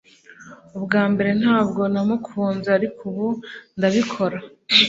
Ubwa mbere ntabwo namukunze, ariko ubu ndabikora.